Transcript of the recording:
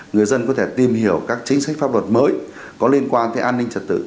người dân có thể tìm hiểu các chính sách pháp luật mới có liên quan tới an ninh trật tự